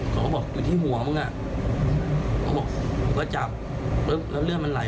เขาก็บอกอยู่ที่หัวมึงอ่ะเขาบอกผมก็จับปุ๊บแล้วเลือดมันไหล